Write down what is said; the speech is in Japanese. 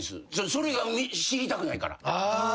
それが知りたくないから。